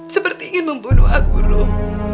seperti ingin membunuh aku ruh